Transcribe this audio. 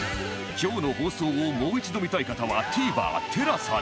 今日の放送をもう一度見たい方は ＴＶｅｒＴＥＬＡＳＡ で